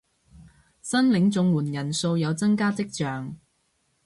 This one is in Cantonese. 申領綜援人數有增加跡象